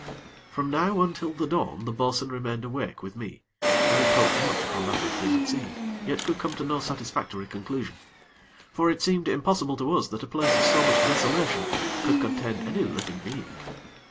From now until the dawn, the bo'sun remained awake with me, and we talked much upon that which we had seen; yet could come to no satisfactory conclusion; for it seemed impossible to us that a place of so much desolation could contain any living being.